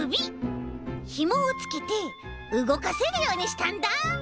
ひもをつけてうごかせるようにしたんだ。